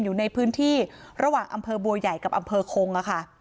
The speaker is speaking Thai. อยู่ในพื้นที่ระหว่างอำเภอบัวใหญ่กับอำเภอคงค่ะ